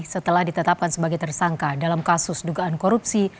setelah ditetapkan sebagai tersangka dalam kasus dugaan korupsi